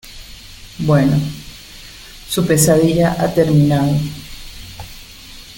bueno, su pesadilla ha terminado